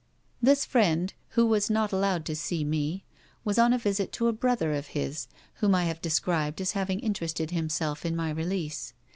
This friend, who was not allowed to see me, was on a visit to a brother of his, whom I have described as having interested himself in my release.